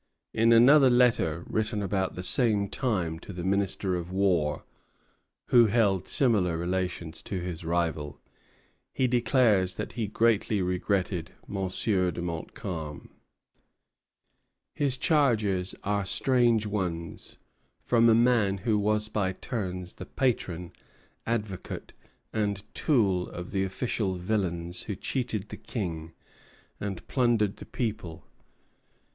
In another letter, written about the same time to the Minister of War, who held similar relations to his rival, he declares that he "greatly regretted Monsieur de Montcalm." Vaudreuil au Ministre de la Guerre, 1 Nov. 1759. His charges are strange ones from a man who was by turns the patron, advocate, and tool of the official villains who cheated the King and plundered the people.